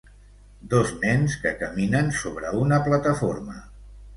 Dos nens que caminen sobre una plataforma.